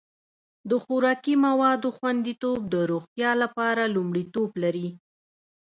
د خوراکي موادو خوندیتوب د روغتیا لپاره لومړیتوب لري.